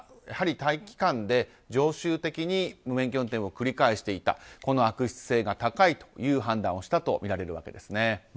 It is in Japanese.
やはり短期間で常習的に無免許運転を繰り返していた悪質性が高いと判断したとみられるわけですね。